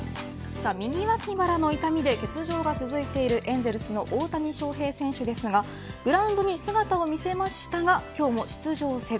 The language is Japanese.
右脇腹の痛みで欠場が続いているエンゼルスの大谷翔平選手ですがグラウンドに姿を見せましたが今日も出場せず。